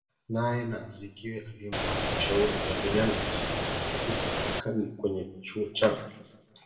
naye na Azikiwe alimpa ushauri kuendelea na masomo yake huko Marekani kwenye chuo cha